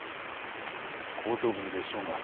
後頭部に裂傷が。